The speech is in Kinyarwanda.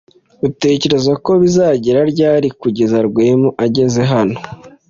Utekereza ko bizageza ryari kugeza Rwema ageze hano?